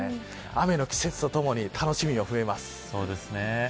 雨の季節とともに楽しみも増えます。